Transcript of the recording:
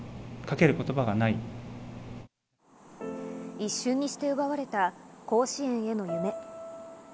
一瞬にして奪われた甲子園の夢。